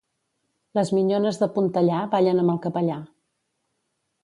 Les minyones de Pontellà ballen amb el capellà.